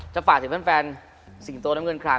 จะฝากสิ่งแฟนสิ่งโตน้ำเงินคลาม